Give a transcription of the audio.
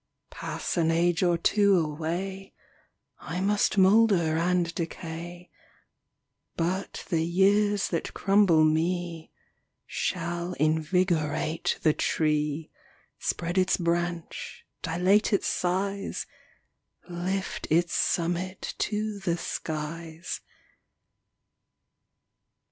Pass an age or two away, I must moulder and decay, But the years that crumble me Shall invigorate the tree, Spread its branch, dilate its size, Lift its summit to the skies.